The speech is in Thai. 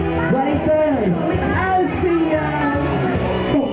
หยุดมีท่าหยุดมีท่า